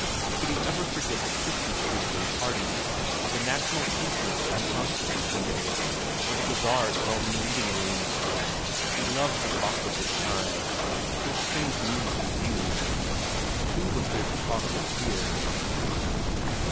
Could he ever forget the Christmas trees and parties, or the national feastings on Constitution Day, or the bazaars held in the meeting rooms? He loved to talk with his kind, to exchange news and views, but who was there to talk with here?